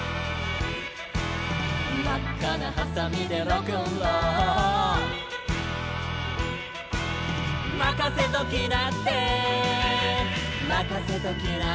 「まっかなはさみでロックンロール」「まかせときなってまかせときなって」